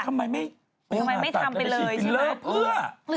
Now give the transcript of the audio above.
ทำไมไม่ทำไปเลยทำไมไม่ใช่ฟิลเลอร์เพื่อ